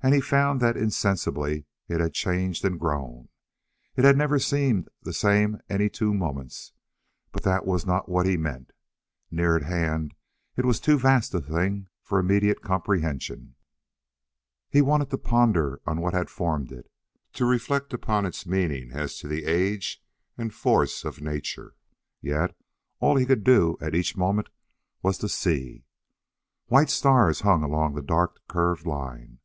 And he found that insensibly it had changed and grown. It had never seemed the same any two moments, but that was not what he meant. Near at hand it was too vast a thing for immediate comprehension. He wanted to ponder on what had formed it to reflect upon its meaning as to age and force of nature, yet all he could do at each moment was to see. White stars hung along the dark curved line.